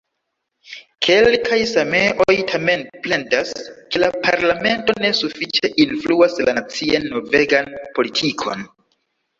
Kelkaj sameoj tamen plendas, ke la parlamento ne sufiĉe influas la nacian norvegan politikon.